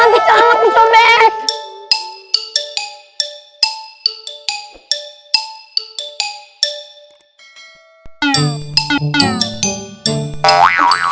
nanti kamu sobek